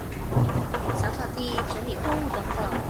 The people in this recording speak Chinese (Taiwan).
掃掃地、整理貨物等等